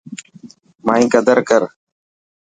مائي قدر ڪر.